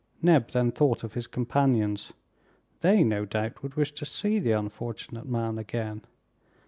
Neb then thought of his companions. They, no doubt, would wish to see the unfortunate man again.